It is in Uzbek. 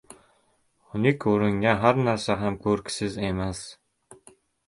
• Xunuk ko‘ringan har harsa ham ko‘rksiz emas.